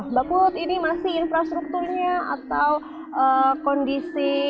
mbak put ini masih infrastrukturnya atau kondisi